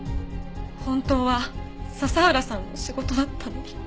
本当は佐々浦さんの仕事だったのに。